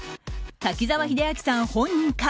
滝沢秀明さん本人か。